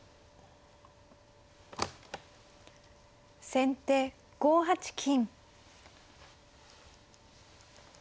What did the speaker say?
先手５八金。